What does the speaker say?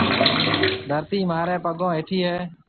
ڌرتِي مهاريَ پڱون هيَٺي هيَ۔